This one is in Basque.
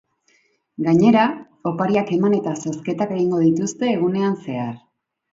Gainera, opariak eman eta zozketak egingo dituzte egunean zehar.